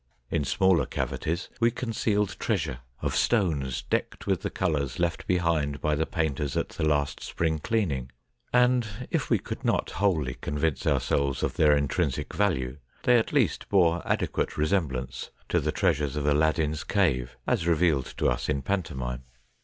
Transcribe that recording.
In smaller cavities we concealed treasure of stones decked with the colours left behind by the painters at the last spring cleaning, and if we could not wholly convince ourselves of their intrinsic value, they at least bore adequate resemblance to the treasures of Aladdin's cave, as revealed to us in panto mime.